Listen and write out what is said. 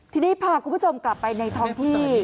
ทีนี้พาคุณผู้ชมกลับไปในท้องที่